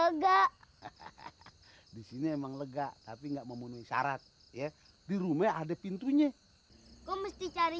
enggak disini emang lega tapi enggak memenuhi syarat ya di rumah ada pintunya kau mesti cari